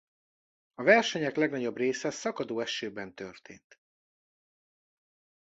A versenyek legnagyobb része szakadó esőben történt.